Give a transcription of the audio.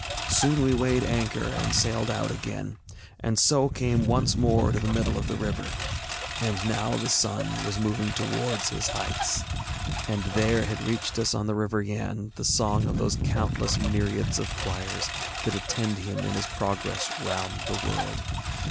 Soon we weighed anchor, and sailed out again, and so came once more to the middle of the river. And now the sun was moving towards his heights, and there had reached us on the River Yann the song of those countless myriads of choirs that attend him in his progress round the world.